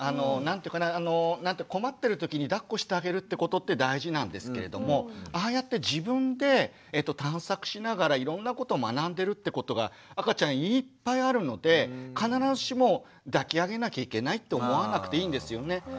困ってる時にだっこしてあげることって大事なんですけれどもああやって自分で探索しながらいろんなこと学んでるってことが赤ちゃんいっぱいあるので必ずしも抱き上げなきゃいけないと思わなくていいんですよね。